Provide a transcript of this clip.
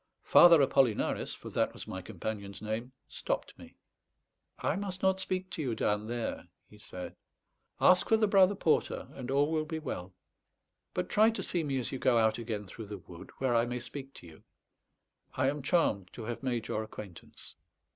Father Apollinaris (for that was my companion's name) stopped me. "I must not speak to you down there," he said. "Ask for the Brother Porter, and all will be well. But try to see me as you go out again through the wood, where I may speak to you. I am charmed to have made your acquaintance."